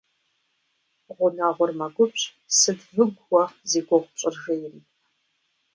Гъунэгъур мэгубжь, сыт выгу уэ зи гугъу пщӀыр, жери.